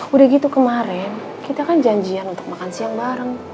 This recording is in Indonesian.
udah gitu kemarin kita kan janjian untuk makan siang bareng